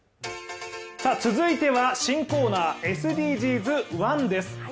続いては新コーナー「ＳＤＧｓ１」です。